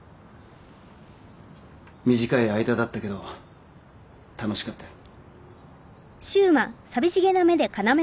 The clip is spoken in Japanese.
短い間だったけど楽しかったよ。